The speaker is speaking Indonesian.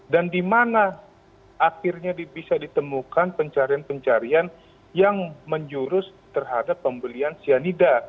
di mana akhirnya bisa ditemukan pencarian pencarian yang menjurus terhadap pembelian cyanida